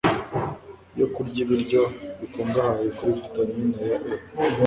yo kurya ibiryo bikungahaye kuri vitamine ya E